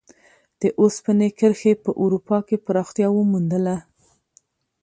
د اوسپنې کرښې په اروپا کې پراختیا وموندله.